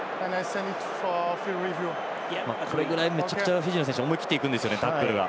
これぐらいめちゃくちゃフィジーの選手思い切っていくんですねタックルは。